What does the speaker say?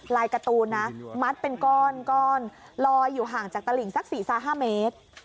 การ์ตูนนะมัดเป็นก้อนลอยอยู่ห่างจากตลิงสัก๔๕เมตร